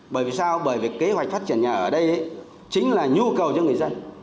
bởi vì sao bởi vì kế hoạch phát triển nhà ở đây chính là nhu cầu cho người dân